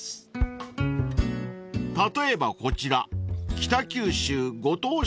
［例えばこちら北九州ごとう